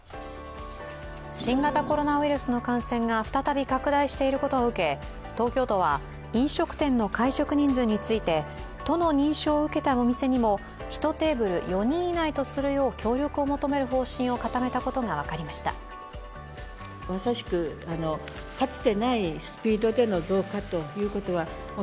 新型コロナウイルスの感染が再び拡大していることを受け、東京都は飲食店の会食人数について都の認証を受けたお店にも１テーブル４人以内とするよう協力を求める方針を固めたことが分かりました。